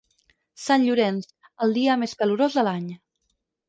Sant Llorenç, el dia més calorós de l'any.